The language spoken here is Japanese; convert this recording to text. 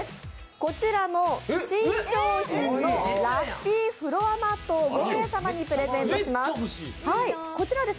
こちらの新商品のラッピーフロアマットを５名様にプレゼントします